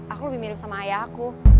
aku lebih mirip sama ayahku